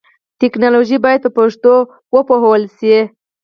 ټکنالوژي باید په پښتو وپوهول شي.